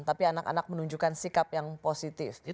tapi anak anak menunjukkan sikap yang positif